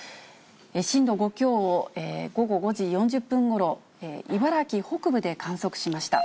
震度５強を午後５時４０分ごろ、茨城北部で観測しました。